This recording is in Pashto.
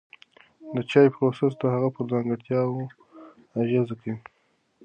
د چای پروسس د هغه پر ځانګړتیاوو اغېز کوي.